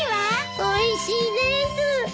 おいしいです。